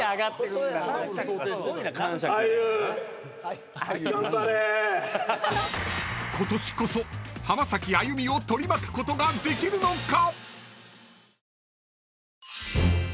［ことしこそ浜崎あゆみを取り巻くことができるのか⁉］